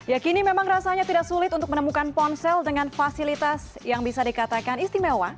ya kini memang rasanya tidak sulit untuk menemukan ponsel dengan fasilitas yang bisa dikatakan istimewa